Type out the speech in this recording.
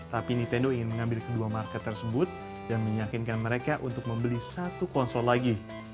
tapi nintendo ingin mengambil kedua market tersebut dan meyakinkan mereka untuk membeli satu konsor lagi